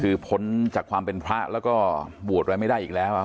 คือพ้นจากความเป็นพระแล้วก็บวชไว้ไม่ได้อีกแล้ว